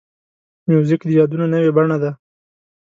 موزیک د یادونو نوې بڼه ده.